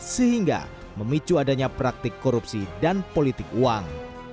sehingga memicu adanya praktik korupsi dan politik uang